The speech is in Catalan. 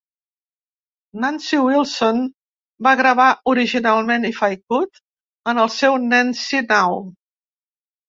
Nancy Wilson va gravar originalment "If I Could" en el seu "Nancy Now!".